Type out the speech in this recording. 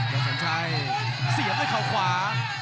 สัญชัยเสียบด้วยเขาขวา